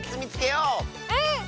うん！